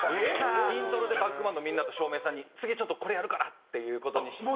イントロでバックバンドのみんなと照明さんに次ちょっとこれやるからっていう事にして。